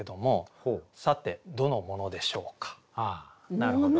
なるほど。